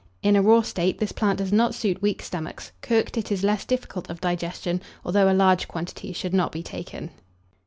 In a raw state, this plant does not suit weak stomachs; cooked, it is less difficult of digestion, although a large quantity should not he taken.